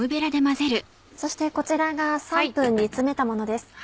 そしてこちらが３分煮詰めたものです。